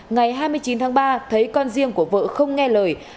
ngày hai mươi chín tháng ba thấy con riêng của vợ không nghe lời